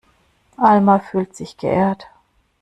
Alma fühlt sich geehrt.